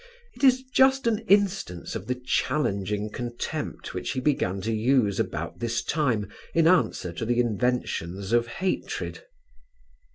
It is just an instance of the challenging contempt which he began to use about this time in answer to the inventions of hatred.